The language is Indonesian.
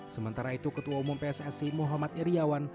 sementara itu ketua umum pssi muhammad iryawan